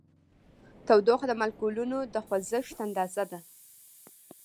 تودوخه د مالیکولونو د خوځښت اندازه ده.